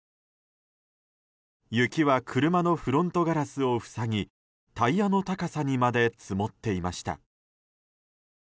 雪は車のフロントガラスを塞ぎタイヤの高さにまで積もっていました。